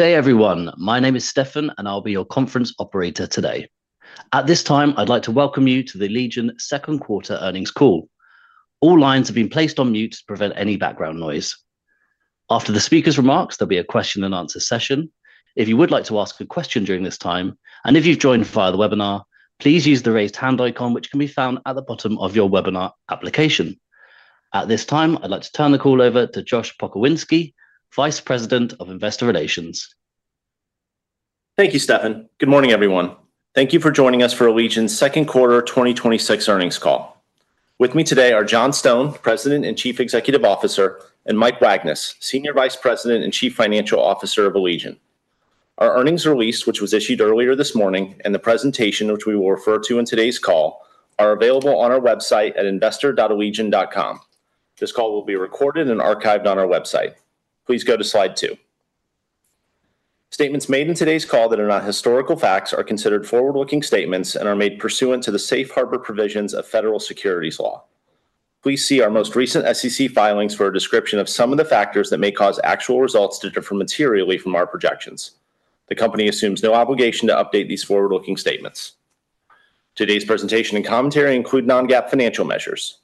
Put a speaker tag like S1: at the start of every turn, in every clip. S1: Good day, everyone. My name is Stefan, and I'll be your conference operator today. At this time, I'd like to welcome you to the Allegion second quarter earnings call. All lines have been placed on mute to prevent any background noise. After the speaker's remarks, there'll be a question and answer session. If you would like to ask a question during this time, and if you've joined via the webinar, please use the raise hand icon, which can be found at the bottom of your webinar application. At this time, I'd like to turn the call over to Josh Pokrzywinski, Vice President of Investor Relations.
S2: Thank you, Stefan. Good morning, everyone. Thank you for joining us for Allegion's second quarter 2026 earnings call. With me today are John Stone, President and Chief Executive Officer, and Mike Wagnes, Senior Vice President and Chief Financial Officer of Allegion. Our earnings release, which was issued earlier this morning, and the presentation, which we will refer to in today's call, are available on our website at investor.allegion.com. This call will be recorded and archived on our website. Please go to slide two. Statements made in today's call that are not historical facts are considered forward-looking statements and are made pursuant to the safe harbor provisions of federal securities law. Please see our most recent SEC filings for a description of some of the factors that may cause actual results to differ materially from our projections. The company assumes no obligation to update these forward-looking statements. Today's presentation and commentary include non-GAAP financial measures.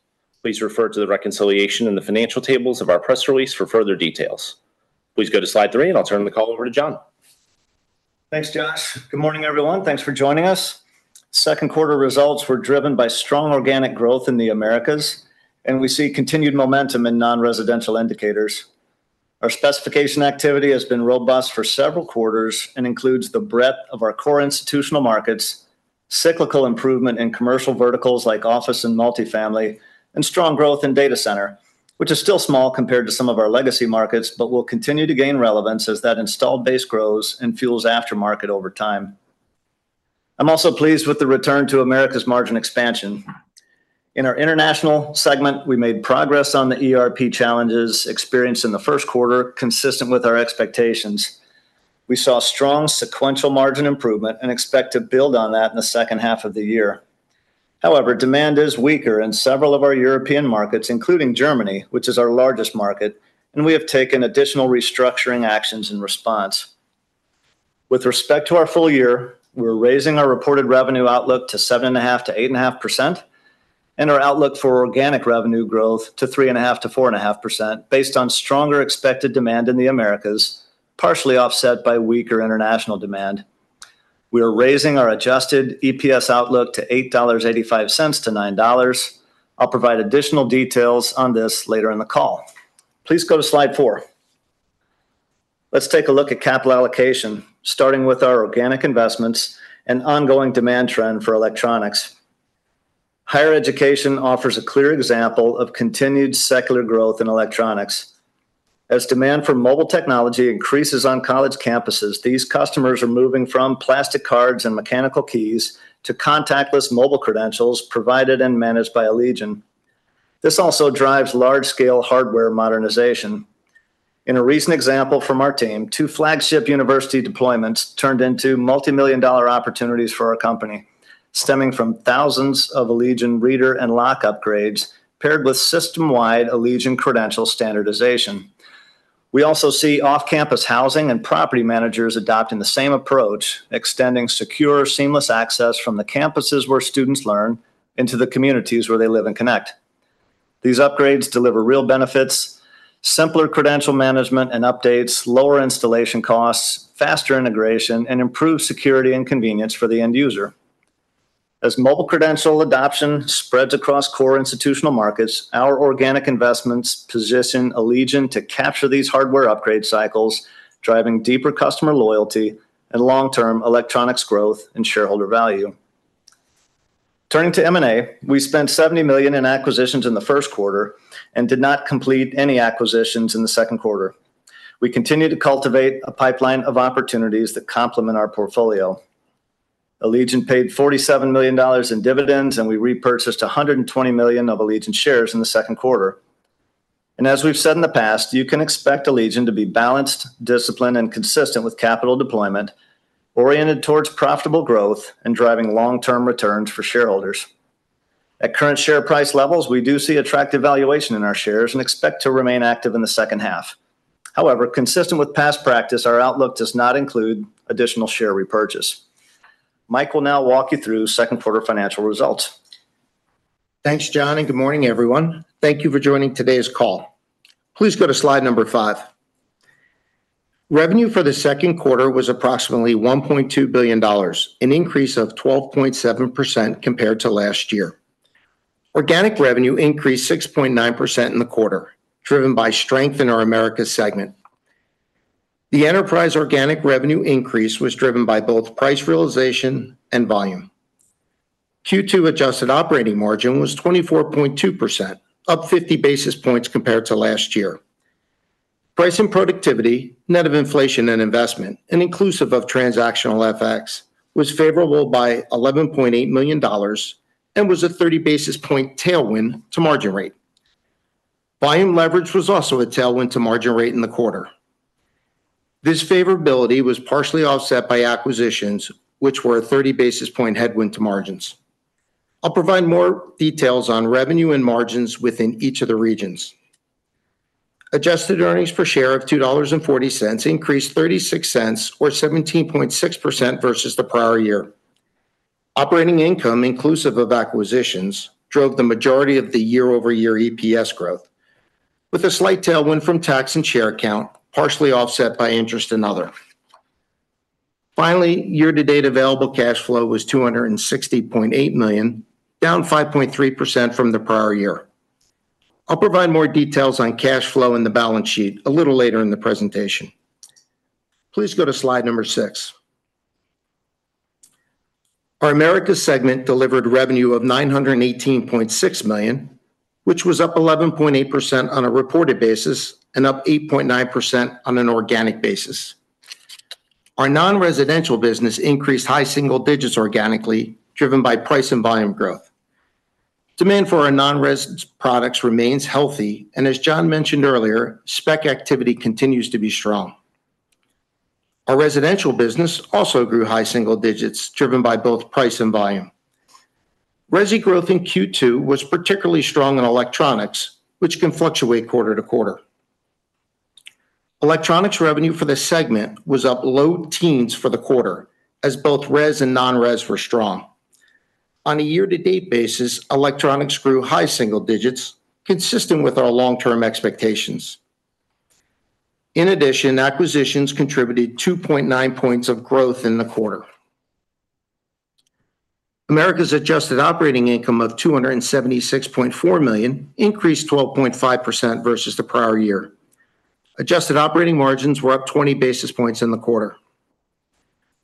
S2: Please refer to the reconciliation in the financial tables of our press release for further details. Please go to slide three, and I'll turn the call over to John.
S3: Thanks, Josh. Good morning, everyone. Thanks for joining us. Second quarter results were driven by strong organic growth in the Americas, and we see continued momentum in non-residential indicators. Our specification activity has been robust for several quarters and includes the breadth of our core institutional markets, cyclical improvement in commercial verticals like office and multifamily, and strong growth in data center, which is still small compared to some of our legacy markets but will continue to gain relevance as that installed base grows and fuels aftermarket over time. I'm also pleased with the return to Americas margin expansion. In our International segment, we made progress on the ERP challenges experienced in the first quarter, consistent with our expectations. We saw strong sequential margin improvement and expect to build on that in the second half of the year. However, demand is weaker in several of our European markets, including Germany, which is our largest market, and we have taken additional restructuring actions in response. With respect to our full year, we're raising our reported revenue outlook to 7.5%-8.5%, and our outlook for organic revenue growth to 3.5%-4.5% based on stronger expected demand in the Americas, partially offset by weaker international demand. We are raising our adjusted EPS outlook to $8.85-$9. I'll provide additional details on this later in the call. Please go to slide four. Let's take a look at capital allocation, starting with our organic investments and ongoing demand trend for electronics. Higher education offers a clear example of continued secular growth in electronics. As demand for mobile technology increases on college campuses, these customers are moving from plastic cards and mechanical keys to contactless mobile credentials provided and managed by Allegion. This also drives large-scale hardware modernization. In a recent example from our team, two flagship university deployments turned into multimillion-dollar opportunities for our company, stemming from thousands of Allegion reader and lock upgrades paired with system-wide Allegion credential standardization. We also see off-campus housing and property managers adopting the same approach, extending secure, seamless access from the campuses where students learn into the communities where they live and connect. These upgrades deliver real benefits, simpler credential management and updates, lower installation costs, faster integration, and improved security and convenience for the end user. As mobile credential adoption spreads across core institutional markets, our organic investments position Allegion to capture these hardware upgrade cycles, driving deeper customer loyalty and long-term electronics growth and shareholder value. Turning to M&A. We spent $70 million in acquisitions in the first quarter and did not complete any acquisitions in the second quarter. We continue to cultivate a pipeline of opportunities that complement our portfolio. Allegion paid $47 million in dividends, and we repurchased $120 million of Allegion shares in the second quarter. As we've said in the past, you can expect Allegion to be balanced, disciplined, and consistent with capital deployment oriented towards profitable growth and driving long-term returns for shareholders. At current share price levels, we do see attractive valuation in our shares and expect to remain active in the second half. However, consistent with past practice, our outlook does not include additional share repurchase. Mike will now walk you through second quarter financial results.
S4: Thanks, John, and good morning, everyone. Thank you for joining today's call. Please go to slide number five. Revenue for the second quarter was approximately $1.2 billion, an increase of 12.7% compared to last year. Organic revenue increased 6.9% in the quarter, driven by strength in our Americas Segment. The enterprise organic revenue increase was driven by both price realization and volume. Q2 adjusted operating margin was 24.2%, up 50 basis points compared to last year. Price and productivity, net of inflation and investment, and inclusive of transactional FX, was favorable by $11.8 million and was a 30 basis point tailwind to margin rate. Volume leverage was also a tailwind to margin rate in the quarter. This favorability was partially offset by acquisitions, which were a 30 basis point headwind to margins. I'll provide more details on revenue and margins within each of the regions. Adjusted earnings per share of $2.40 increased $0.36 or 17.6% versus the prior year. Operating income inclusive of acquisitions drove the majority of the year-over-year EPS growth, with a slight tailwind from tax and share count, partially offset by interest and other. Finally, year-to-date available cash flow was $260.8 million, down 5.3% from the prior year. I'll provide more details on cash flow in the balance sheet a little later in the presentation. Please go to slide number six. Our Americas Segment delivered revenue of $918.6 million, which was up 11.8% on a reported basis and up 8.9% on an organic basis. Our non-residential business increased high single digits organically, driven by price and volume growth. Demand for our non-res products remains healthy, and as John mentioned earlier, spec activity continues to be strong. Our residential business also grew high single digits, driven by both price and volume. Resi growth in Q2 was particularly strong in electronics, which can fluctuate quarter-to-quarter. Electronics revenue for the segment was up low teens for the quarter as both res and non-res were strong. On a year-to-date basis, electronics grew high single digits, consistent with our long-term expectations. In addition, acquisitions contributed 2.9 points of growth in the quarter. Americas Segment adjusted operating income of $276.4 million increased 12.5% versus the prior year. Adjusted operating margins were up 20 basis points in the quarter.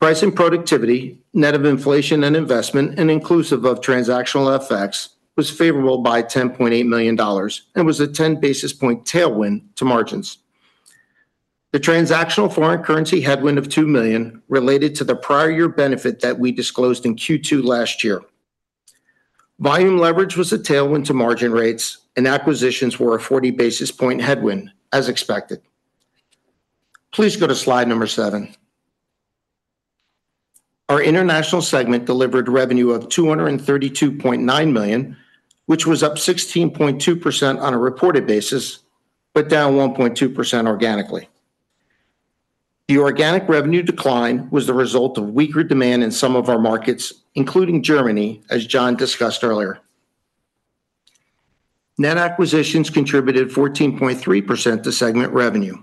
S4: Price and productivity, net of inflation and investment, and inclusive of transactional FX, was favorable by $10.8 million and was a 10 basis point tailwind to margins. The transactional foreign currency headwind of $2 million related to the prior year benefit that we disclosed in Q2 last year. Volume leverage was a tailwind to margin rates, and acquisitions were a 40 basis point headwind as expected. Please go to slide number seven. Our International Segment delivered revenue of $232.9 million, which was up 16.2% on a reported basis, but down 1.2% organically. The organic revenue decline was the result of weaker demand in some of our markets, including Germany, as John discussed earlier. Net acquisitions contributed 14.3% to segment revenue.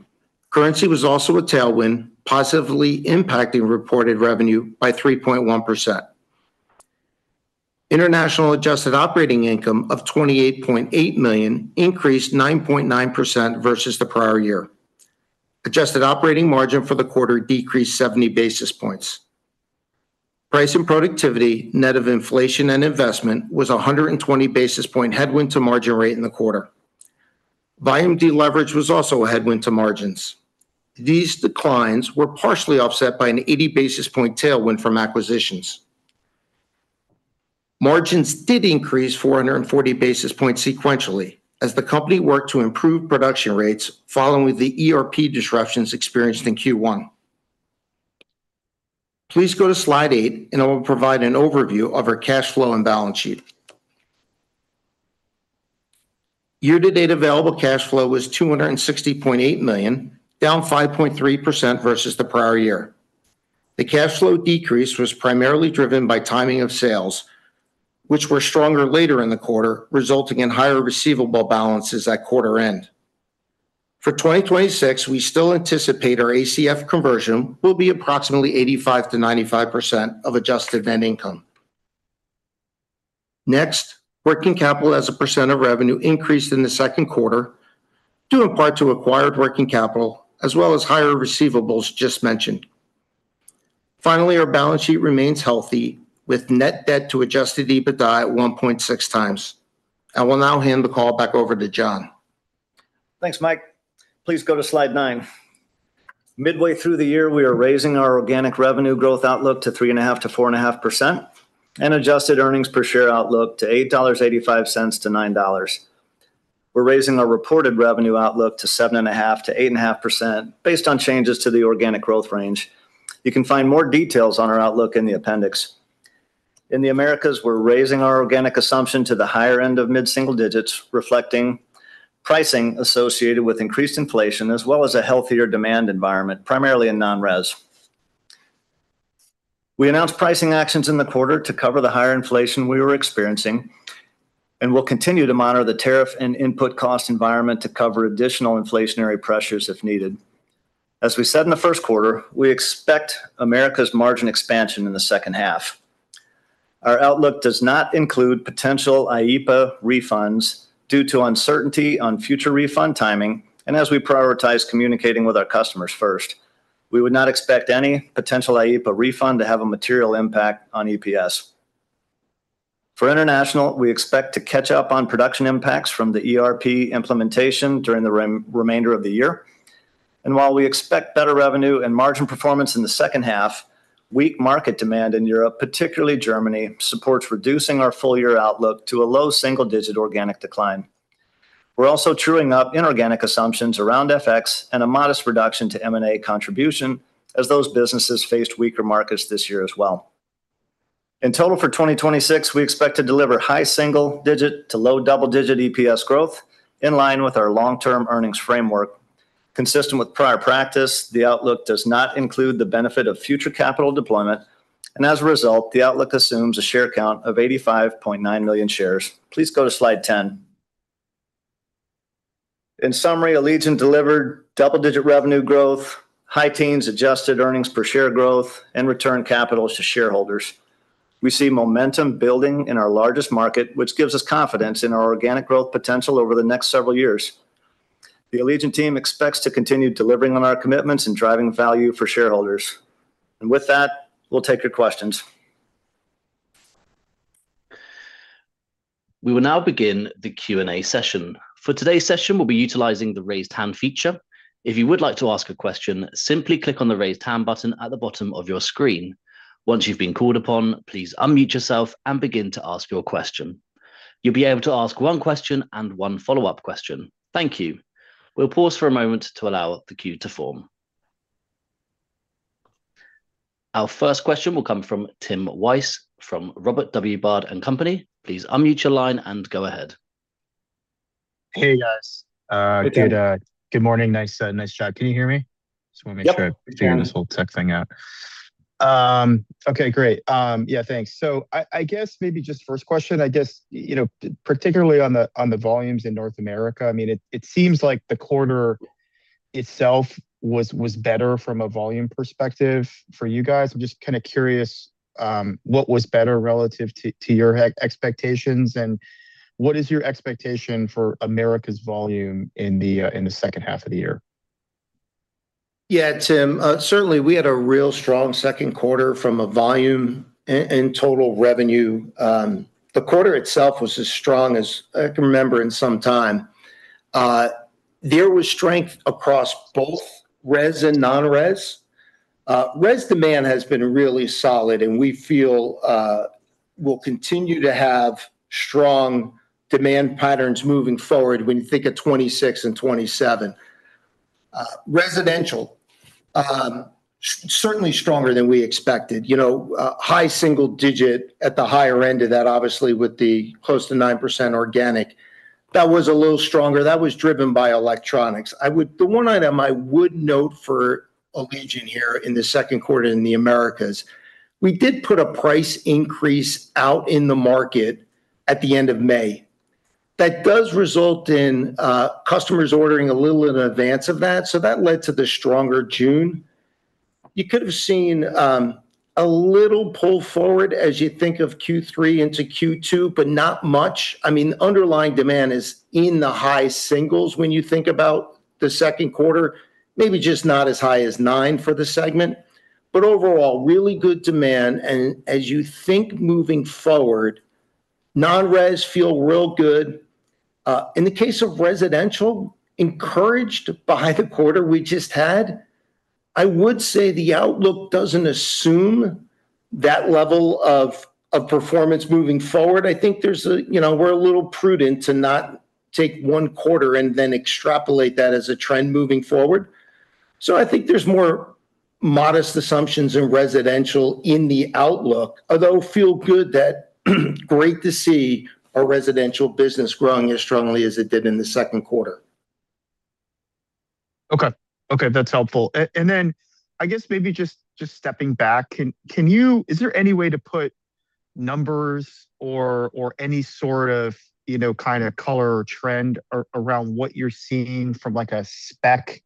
S4: Currency was also a tailwind, positively impacting reported revenue by 3.1%. International Segment adjusted operating income of $28.8 million increased 9.9% versus the prior year. Adjusted operating margin for the quarter decreased 70 basis points. Price and productivity, net of inflation and investment, was 120 basis point headwind to margin rate in the quarter. Volume deleverage was also a headwind to margins. These declines were partially offset by an 80 basis point tailwind from acquisitions. Margins did increase 440 basis points sequentially as the company worked to improve production rates following the ERP disruptions experienced in Q1. Please go to slide eight, it will provide an overview of our cash flow and balance sheet. Year-to-date available cash flow was $260.8 million, down 5.3% versus the prior year. The cash flow decrease was primarily driven by timing of sales, which were stronger later in the quarter, resulting in higher receivable balances at quarter end. For 2026, we still anticipate our ACF conversion will be approximately 85%-95% of adjusted net income. Next, working capital as a percent of revenue increased in the second quarter due in part to acquired working capital as well as higher receivables just mentioned. Finally, our balance sheet remains healthy with net debt to adjusted EBITDA at 1.6 times. I will now hand the call back over to John.
S3: Thanks, Mike. Please go to slide nine. Midway through the year, we are raising our organic revenue growth outlook to 3.5%-4.5% and adjusted earnings per share outlook to $8.85-$9. We are raising our reported revenue outlook to 7.5%-8.5% based on changes to the organic growth range. You can find more details on our outlook in the appendix. In the Americas, we are raising our organic assumption to the higher end of mid-single digits, reflecting pricing associated with increased inflation as well as a healthier demand environment, primarily in non-res. We announced pricing actions in the quarter to cover the higher inflation we were experiencing and will continue to monitor the tariff and input cost environment to cover additional inflationary pressures if needed. As we said in the first quarter, we expect Americas margin expansion in the second half. Our outlook does not include potential IEEPA refunds due to uncertainty on future refund timing, as we prioritize communicating with our customers first. We would not expect any potential IEEPA refund to have a material impact on EPS. For international, we expect to catch up on production impacts from the ERP implementation during the remainder of the year. While we expect better revenue and margin performance in the second half, weak market demand in Europe, particularly Germany, supports reducing our full-year outlook to a low single-digit organic decline. We are also truing up inorganic assumptions around FX and a modest reduction to M&A contribution as those businesses faced weaker markets this year as well. In total, for 2026, we expect to deliver high single digit to low double digit EPS growth in line with our long-term earnings framework. Consistent with prior practice, the outlook does not include the benefit of future capital deployment, as a result, the outlook assumes a share count of 85.9 million shares. Please go to slide 10. In summary, Allegion delivered double-digit revenue growth, high teens adjusted earnings per share growth, returned capitals to shareholders. We see momentum building in our largest market, which gives us confidence in our organic growth potential over the next several years. The Allegion team expects to continue delivering on our commitments and driving value for shareholders. With that, we will take your questions.
S1: We will now begin the Q&A session. For today's session, we'll be utilizing the raise hand feature. If you would like to ask a question, simply click on the raise hand button at the bottom of your screen. Once you've been called upon, please unmute yourself and begin to ask your question. You'll be able to ask one question and one follow-up question. Thank you. We'll pause for a moment to allow the queue to form. Our first question will come from Tim Weiss from Robert W. Baird & Co.. Please unmute your line and go ahead.
S5: Hey, guys.
S3: Hey, Tim.
S5: Good morning. Nice chat. Can you hear me?
S3: Yep. We can. Just want to make sure I figure this whole tech thing out.
S5: Okay, great.
S4: Yeah, thanks.
S5: I guess maybe just first question, I guess, particularly on the volumes in North America, it seems like the quarter itself was better from a volume perspective for you guys. I'm just kind of curious, what was better relative to your expectations, and what is your expectation for Americas volume in the second half of the year?
S4: Yeah, Tim. Certainly, we had a real strong second quarter from a volume and total revenue. The quarter itself was as strong as I can remember in some time. There was strength across both res and non-res. Res demand has been really solid, and we feel we'll continue to have strong demand patterns moving forward when you think of 2026 and 2027. Residential, certainly stronger than we expected. High single digit at the higher end of that, obviously, with the close to 9% organic. That was a little stronger. That was driven by electronics. The one item I would note for Allegion here in the second quarter in the Americas, we did put a price increase out in the market at the end of May. That does result in customers ordering a little in advance of that, so that led to the stronger June. You could've seen a little pull forward as you think of Q3 into Q2, but not much. Underlying demand is in the high singles when you think about the second quarter, maybe just not as high as 9 for the segment. Overall, really good demand, and as you think moving forward, non-res feel real good. In the case of residential, encouraged by the quarter we just had. I would say the outlook doesn't assume that level of performance moving forward. I think we're a little prudent to not take one quarter and then extrapolate that as a trend moving forward. I think there's more modest assumptions in residential in the outlook, although feel good that great to see our residential business growing as strongly as it did in the second quarter.
S5: Okay. That's helpful. I guess maybe just stepping back, is there any way to put numbers or any sort of color or trend around what you're seeing from a spec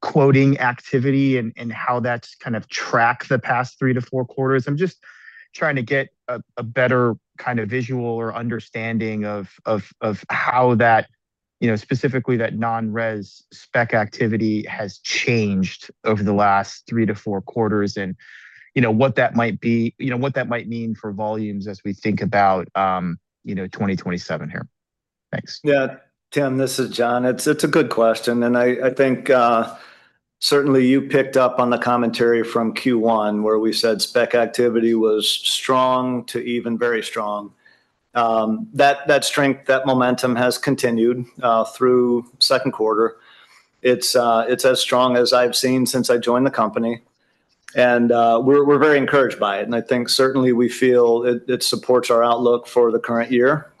S5: quoting activity and how that's kind of tracked the past three to four quarters? I'm just trying to get a better kind of visual or understanding of how that, specifically that non-res spec activity has changed over the last three to four quarters, and what that might mean for volumes as we think about 2027 here. Thanks.
S3: Yeah. Tim, this is John. It's a good question. I think certainly you picked up on the commentary from Q1 where we said spec activity was strong to even very strong. That strength, that momentum has continued through second quarter. It's as strong as I've seen since I joined the company. We're very encouraged by it. Certainly we feel it supports our outlook for the current year.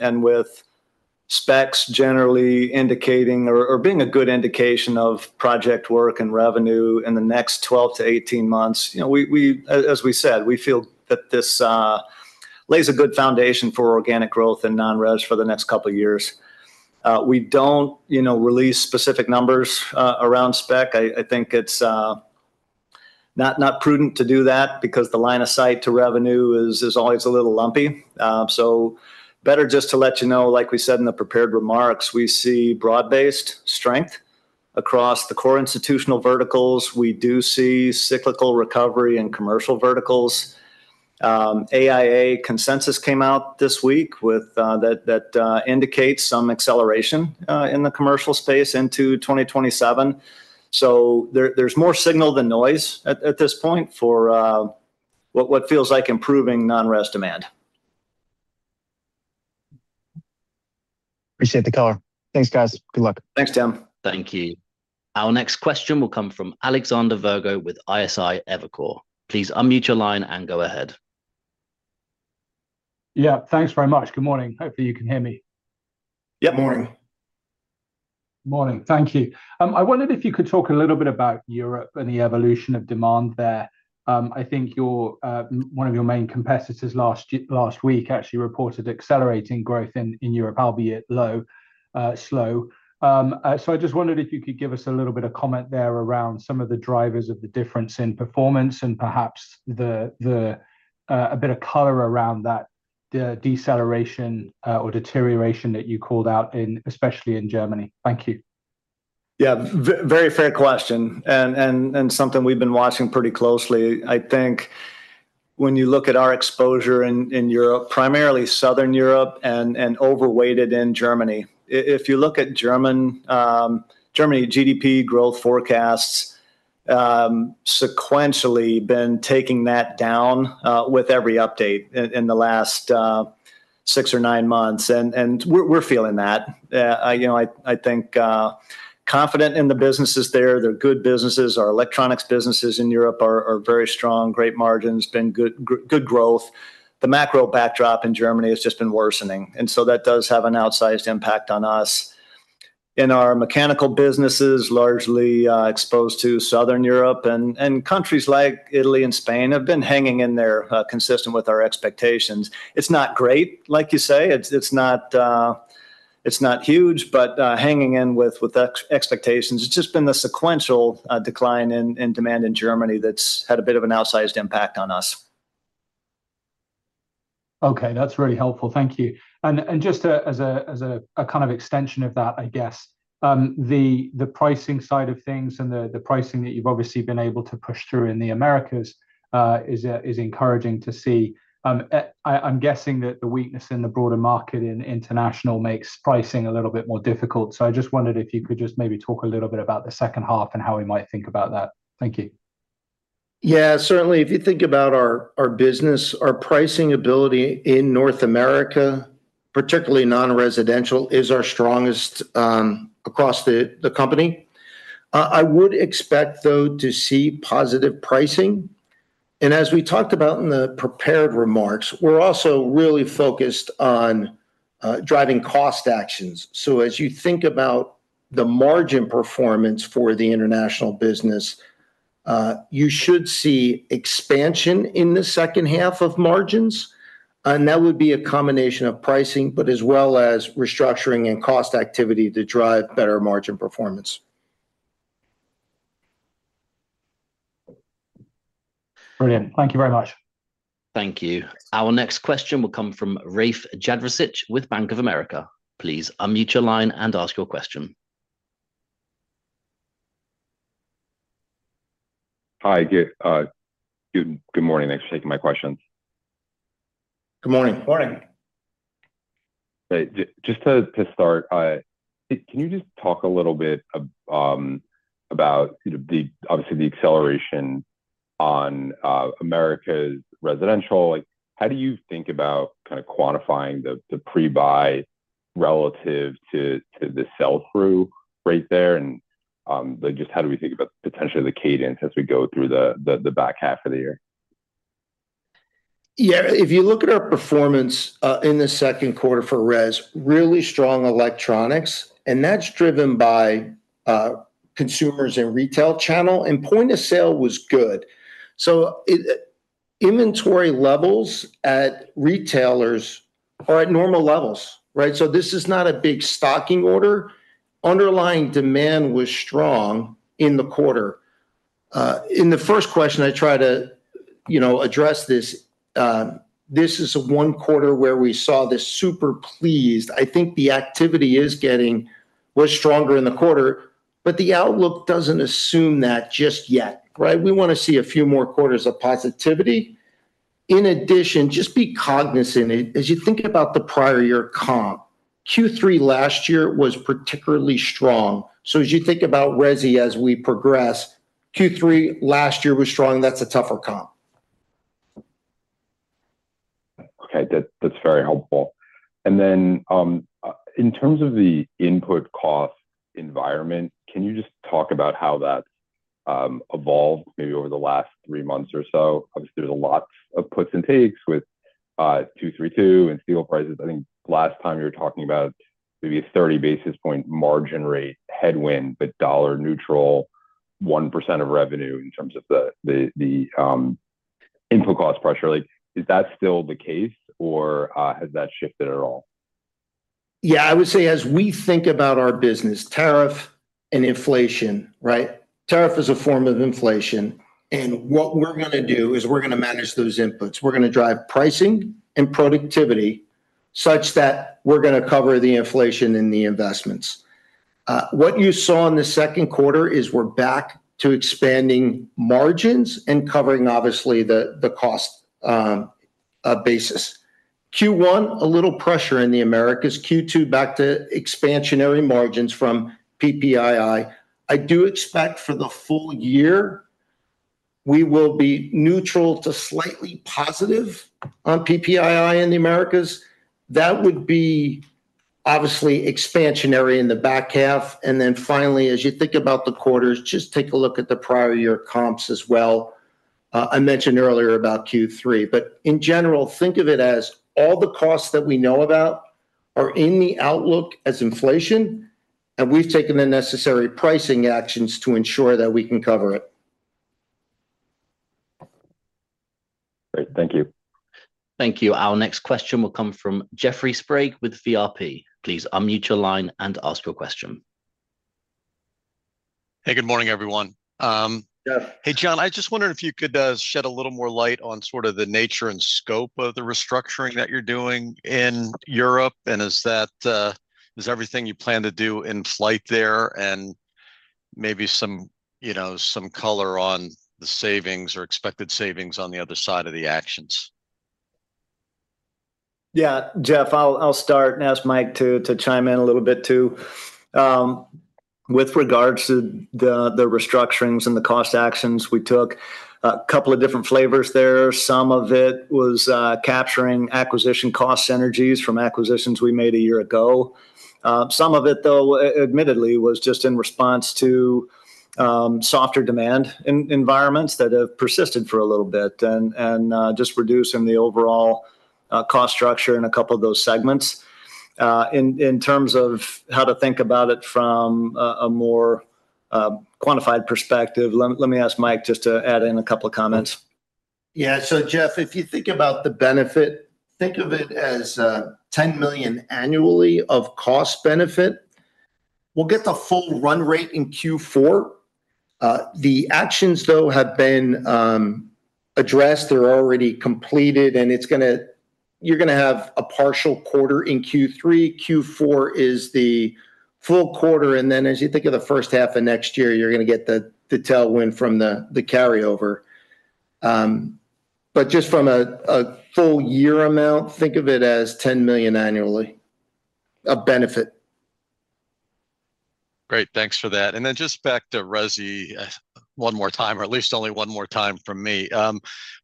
S3: With specs generally indicating or being a good indication of project work and revenue in the next 12 to 18 months, as we said, we feel that this lays a good foundation for organic growth in non-res for the next couple of years. We don't release specific numbers around spec. It's not prudent to do that because the line of sight to revenue is always a little lumpy. Better just to let you know, like we said in the prepared remarks, we see broad-based strength across the core institutional verticals. We do see cyclical recovery in commercial verticals. AIA consensus came out this week that indicates some acceleration in the commercial space into 2027. There's more signal than noise at this point for what feels like improving non-res demand.
S5: Appreciate the color. Thanks, guys. Good luck.
S3: Thanks, Tim.
S1: Thank you. Our next question will come from Alexander Virgo with Evercore ISI. Please unmute your line and go ahead.
S6: Yeah, thanks very much. Good morning. Hopefully you can hear me.
S3: Yeah, morning.
S6: Morning. Thank you. I wondered if you could talk a little bit about Europe and the evolution of demand there. I think one of your main competitors last week actually reported accelerating growth in Europe, albeit low, slow. I just wondered if you could give us a little bit of comment there around some of the drivers of the difference in performance and perhaps a bit of color around that deceleration or deterioration that you called out, especially in Germany. Thank you.
S3: Very fair question, and something we've been watching pretty closely. I think when you look at our exposure in Europe, primarily Southern Europe, and overweighted in Germany. If you look at Germany GDP growth forecasts, sequentially been taking that down with every update in the last six or nine months, and we're feeling that. I think confident in the businesses there. They're good businesses. Our electronics businesses in Europe are very strong, great margins, been good growth. The macro backdrop in Germany has just been worsening, so that does have an outsized impact on us. In our mechanical businesses, largely exposed to Southern Europe, countries like Italy and Spain have been hanging in there, consistent with our expectations. It's not great, like you say. It's not huge, but hanging in with expectations. It's just been the sequential decline in demand in Germany that's had a bit of an outsized impact on us.
S6: That's really helpful. Thank you. Just as a kind of extension of that, I guess, the pricing side of things and the pricing that you've obviously been able to push through in the Americas is encouraging to see. I'm guessing that the weakness in the broader market in international makes pricing a little bit more difficult. I just wondered if you could just maybe talk a little bit about the second half and how we might think about that. Thank you.
S4: Certainly. If you think about our business, our pricing ability in North America, particularly non-residential, is our strongest across the company. I would expect, though, to see positive pricing. As we talked about in the prepared remarks, we're also really focused on driving cost actions. As you think about the margin performance for the international business, you should see expansion in the second half of margins, and that would be a combination of pricing, as well as restructuring and cost activity to drive better margin performance.
S6: Brilliant. Thank you very much.
S1: Thank you. Our next question will come from Rafe Jadrosich with Bank of America. Please unmute your line and ask your question.
S7: Hi. Good morning. Thanks for taking my questions.
S3: Good morning.
S4: Morning.
S7: Just to start, can you just talk a little bit about obviously the acceleration on Americas residential? How do you think about kind of quantifying the pre-buy relative to the sell-through rate there? How do we think about potentially the cadence as we go through the back half of the year?
S4: Yeah, if you look at our performance in the second quarter for res, really strong electronics, that's driven by consumers in retail channel, point of sale was good. Inventory levels at retailers are at normal levels, right? This is not a big stocking order. Underlying demand was strong in the quarter. In the first question, I try to address this. This is the one quarter where we saw this super pleased. I think the activity was stronger in the quarter, but the outlook doesn't assume that just yet, right? We want to see a few more quarters of positivity. Just be cognizant, as you think about the prior year comp, Q3 last year was particularly strong. As you think about resi as we progress, Q3 last year was strong. That's a tougher comp.
S7: Okay. That's very helpful. Then, in terms of the input cost environment, can you just talk about how that's evolved maybe over the last three months or so? Obviously, there's a lot of puts and takes with Section 232 and steel prices. I think last time you were talking about maybe a 30-basis point margin rate headwind, but dollar neutral, 1% of revenue in terms of the input cost pressure. Is that still the case or has that shifted at all?
S4: I would say as we think about our business, tariff and inflation, right? Tariff is a form of inflation. What we're going to do is we're going to manage those inputs. We're going to drive pricing and productivity such that we're going to cover the inflation in the investments. What you saw in the second quarter is we're back to expanding margins and covering, obviously, the cost basis. Q1, a little pressure in the Americas. Q2, back to expansionary margins from PPI. I do expect for the full year we will be neutral to slightly positive on PPI in the Americas. That would be obviously expansionary in the back half. Finally, as you think about the quarters, just take a look at the prior year comps as well. I mentioned earlier about Q3. In general, think of it as all the costs that we know about are in the outlook as inflation. We've taken the necessary pricing actions to ensure that we can cover it.
S7: Great. Thank you.
S1: Thank you. Our next question will come from Jeffrey Sprague with VRP. Please unmute your line and ask your question.
S8: Hey, good morning, everyone.
S3: Jeff.
S8: Hey, John. I just wondered if you could shed a little more light on sort of the nature and scope of the restructuring that you're doing in Europe, and is everything you plan to do in flight there, and maybe some color on the savings or expected savings on the other side of the actions?
S3: Yeah, Jeff, I'll start and ask Mike to chime in a little bit, too. With regards to the restructurings and the cost actions we took, a couple of different flavors there. Some of it was capturing acquisition cost synergies from acquisitions we made a year ago. Some of it, though, admittedly, was just in response to softer demand in environments that have persisted for a little bit, and just reducing the overall cost structure in a couple of those segments. In terms of how to think about it from a more quantified perspective, let me ask Mike just to add in a couple of comments.
S4: Yeah. Jeff, if you think about the benefit, think of it as $10 million annually of cost benefit. We'll get the full run rate in Q4. The actions, though, have been addressed. They're already completed, and you're going to have a partial quarter in Q3. Q4 is the full quarter, and then as you think of the first half of next year, you're going to get the tailwind from the carryover. Just from a full year amount, think of it as $10 million annually of benefit.
S8: Great. Thanks for that. Just back to resi one more time, or at least only one more time from me.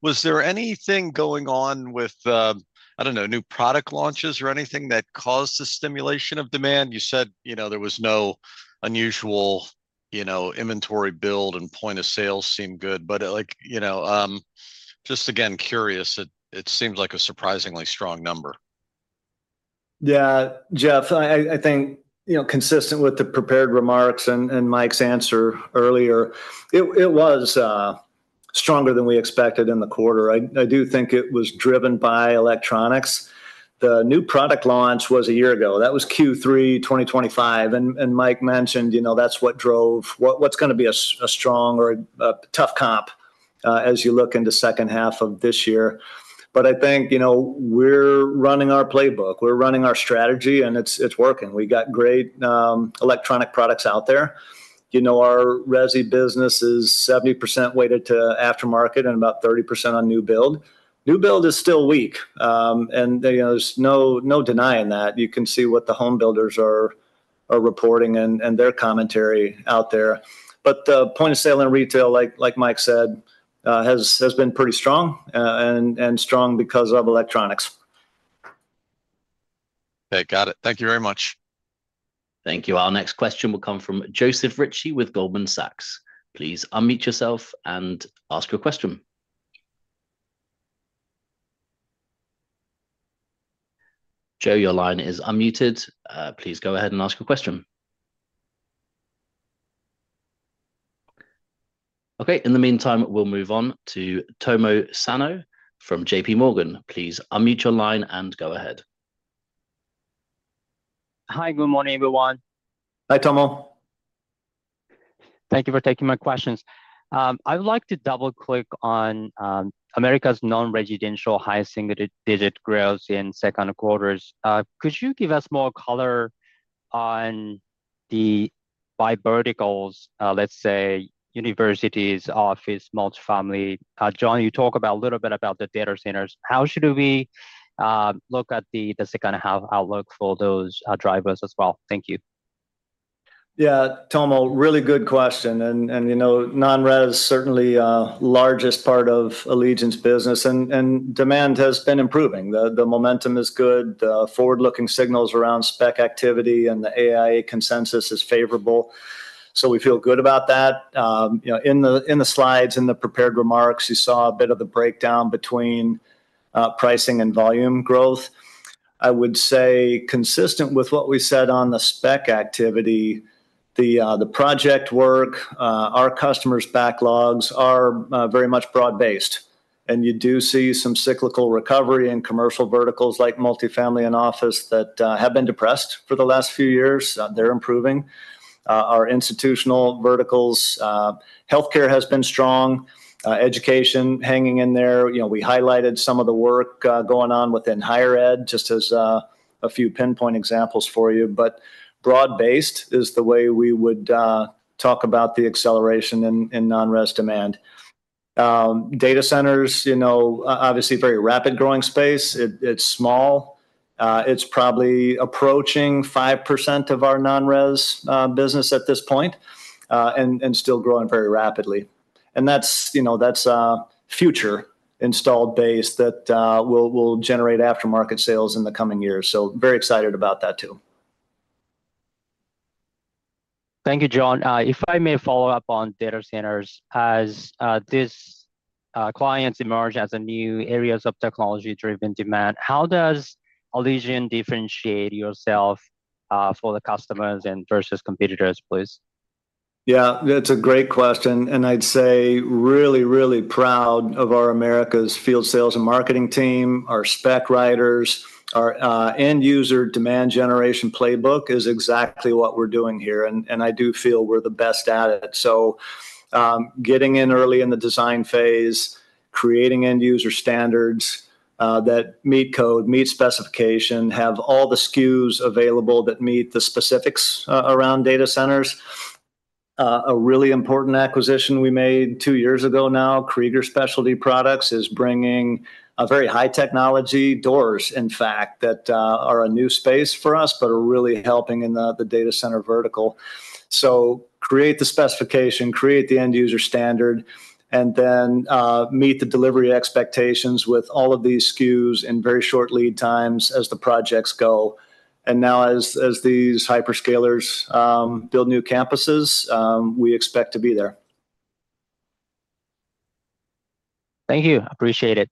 S8: Was there anything going on with, I don't know, new product launches or anything that caused the stimulation of demand? You said there was no unusual inventory build, and point of sales seem good. Just again, curious, it seems like a surprisingly strong number.
S3: Yeah, Jeff, I think consistent with the prepared remarks and Mike's answer earlier, it was stronger than we expected in the quarter. I do think it was driven by electronics. The new product launch was a year ago. That was Q3 2025, Mike mentioned that's what's going to be a strong or a tough comp as you look into 2nd half of this year. I think we're running our playbook, we're running our strategy, and it's working. We got great electronic products out there. Our resi business is 70% weighted to aftermarket and about 30% on new build. New build is still weak, there's no denying that. You can see what the home builders are reporting and their commentary out there. The point of sale and retail, like Mike said, has been pretty strong, and strong because of electronics.
S8: Okay, got it. Thank you very much.
S1: Thank you. Our next question will come from Joe Ritchie with Goldman Sachs. Please unmute yourself and ask your question. Joe, your line is unmuted. Please go ahead and ask your question. Okay, in the meantime, we'll move on to Tomo Sano from JPMorgan. Please unmute your line and go ahead.
S9: Hi. Good morning, everyone.
S3: Hi, Tomo.
S9: Thank you for taking my questions. I would like to double-click on America's non-residential highest single-digit growth in second quarters. Could you give us more color on the by verticals, let's say universities, office, multi-family? John, you talk a little bit about the data centers. How should we look at the second half outlook for those drivers as well? Thank you.
S3: Yeah. Tomo, really good question, and non-res certainly largest part of Allegion's business, and demand has been improving. The momentum is good. The forward-looking signals around spec activity and the AIA consensus is favorable, so we feel good about that. In the slides, in the prepared remarks, you saw a bit of the breakdown between pricing and volume growth. I would say consistent with what we said on the spec activity, the project work, our customers' backlogs are very much broad based, and you do see some cyclical recovery in commercial verticals like multi-family and office that have been depressed for the last few years. They're improving. Our institutional verticals, healthcare has been strong, education hanging in there. We highlighted some of the work going on within higher ed, just as a few pinpoint examples for you. Broad-based is the way we would talk about the acceleration in non-res demand. Data centers, obviously a very rapid growing space. It's small. It's probably approaching 5% of our non-res business at this point, and still growing very rapidly. That's future installed base that will generate aftermarket sales in the coming years. Very excited about that, too.
S9: Thank you, John. If I may follow up on data centers. As these clients emerge as new areas of technology-driven demand, how does Allegion differentiate yourself for the customers and versus competitors, please?
S3: Yeah. That's a great question, and I'd say really, really proud of our America's field sales and marketing team, our spec writers. Our end user demand generation playbook is exactly what we're doing here, and I do feel we're the best at it. Getting in early in the design phase, creating end user standards that meet code, meet specification, have all the SKUs available that meet the specifics around data centers. A really important acquisition we made two years ago now, Krieger Specialty Products, is bringing very high technology doors, in fact, that are a new space for us, but are really helping in the data center vertical. Create the specification, create the end user standard, meet the delivery expectations with all of these SKUs in very short lead times as the projects go. Now, as these hyperscalers build new campuses, we expect to be there.
S9: Thank you. Appreciate it.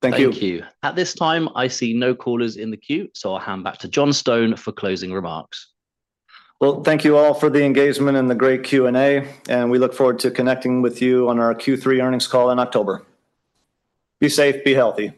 S3: Thank you.
S1: Thank you. At this time, I see no callers in the queue, so I'll hand back to John Stone for closing remarks.
S3: Well, thank you all for the engagement and the great Q&A, and we look forward to connecting with you on our Q3 earnings call in October. Be safe, be healthy.